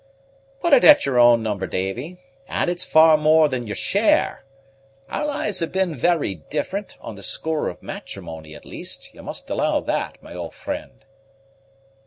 "Put it at yer own number, Davy; and it's far more than yer share. Our lives have been very different, on the score of matrimony, at least; you must allow that, my old friend."